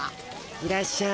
いらっしゃい。